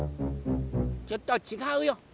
ちょっとちがうよ。